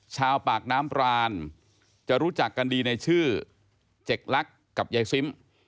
ชาวปากน้ำปรานจะรู้จักกันดีในชื่อเจ็กลักษณ์กับยายซิม